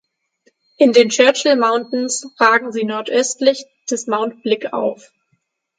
In den Churchill Mountains ragen sie nordöstlich des Mount Blick auf.